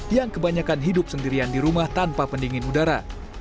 yang kebanyakan hidup sendirian di rumah tanpa pendingin udara